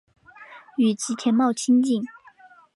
与吉田茂亲近。